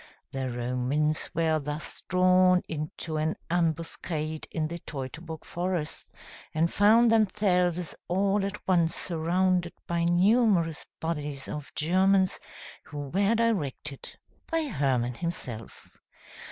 The Romans were thus drawn into an ambuscade in the Teutoburg forest, and found themselves all at once surrounded by numerous bodies of Germans, who were directed by Hermann himself.